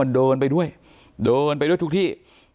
มันเดินไปด้วยเดินไปด้วยทุกที่